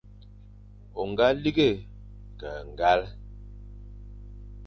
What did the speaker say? O ñga lighé ke ñgale,